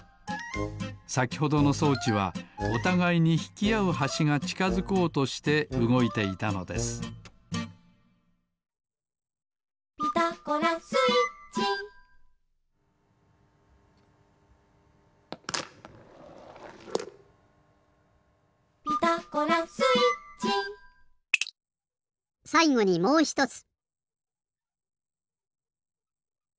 さきほどの装置はおたがいにひきあうはしがちかづこうとしてうごいていたのです「ピタゴラスイッチ」「ピタゴラスイッチ」さいごにもうひとつ。